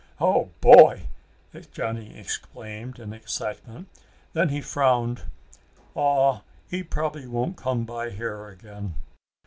"Oh boy!" Johnny exclaimed in excitement. Then he frowned. "Aw, he probably won't come by here again."